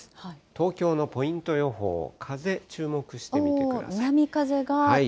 東京のポイント予報、風、注目してみてください。